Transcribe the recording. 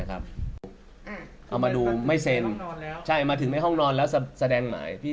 เอามาดูไม่เซ็นใช่มาถึงในห้องนอนแล้วแสดงหมายพี่